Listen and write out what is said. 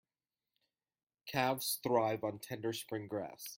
Calves thrive on tender spring grass.